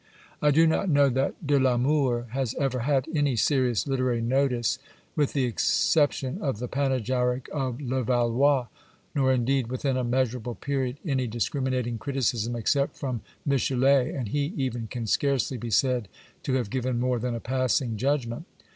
2 I do not know that De I'Amour has ever had any serious literary notice with the exception of the panegyric of Levallois, nor indeed, within a measurable period, any discriminating criticism except from Michelet, and he even can scarcely be said to have given more than a passing judgment.